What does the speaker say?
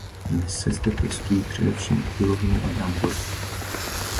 Dnes se zde pěstují především obiloviny a brambory.